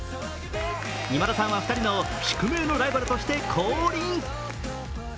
今田さんは２人の宿命のライバルとして降臨。